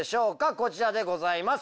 こちらでございます。